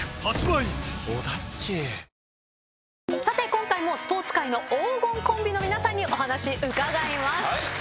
今回もスポーツ界の黄金コンビの皆さんにお話伺います。